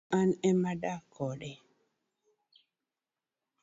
koro an ema adak kode